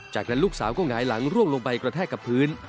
จากนั้นลูกสาวก็หงายหลังร่วงลงไปกระแทกกับพื้น